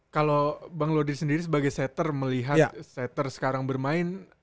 kalau bang lodri sendiri sebagai setter melihat setter sekarang bermain